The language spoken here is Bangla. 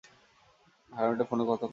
হারামিটা ফোনে কথা ঘুরাচ্ছিল।